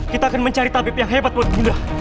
kita akan mencari tabib yang hebat buat bunda